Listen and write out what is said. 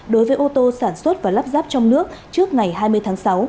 đối với ô tô sản xuất và lắp ráp trong nước trước ngày hai mươi tháng sáu